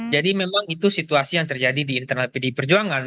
jadi memang itu situasi yang terjadi di internal pdip perjuangan